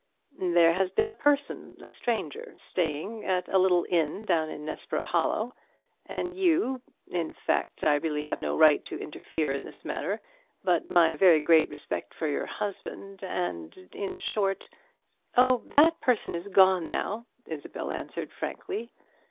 "There has been a person a stranger staying at a little inn down in Nessborough Hollow; and you, in fact, I really have no right to interfere in this matter, but my very great respect for your husband, and, in short " "Oh, that person is gone now," Isabel answered frankly.